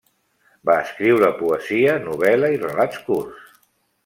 Va escriure poesia, novel·la i relats curts.